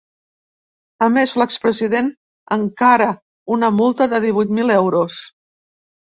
A més, l’ex-president encara una multa de divuit mil euros.